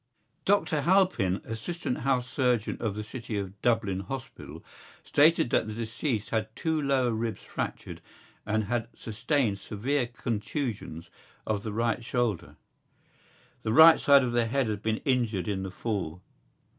Dr Halpin, assistant house surgeon of the City of Dublin Hospital, stated that the deceased had two lower ribs fractured and had sustained severe contusions of the right shoulder. The right side of the head had been injured in the fall.